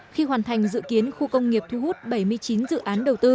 khi hoàn thành dự kiến khu công nghiệp thu hút bảy mươi chín dự án